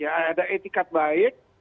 ada etikat baik